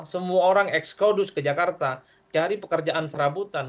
semua orang excodus ke jakarta cari pekerjaan serabutan